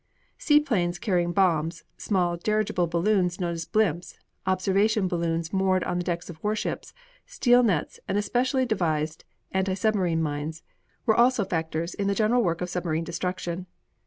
Sea planes carrying bombs, small dirigible balloons known as "blimps," observation balloons moored on the decks of warships, steel nets, and especially devised anti submarine mines, were also factors in the general work of submarine destruction.